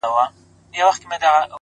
د شپې د راج معراج کي د سندرو ننداره ده”